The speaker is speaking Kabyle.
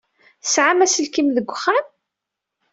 Tesɛam aselkim deg uxxam?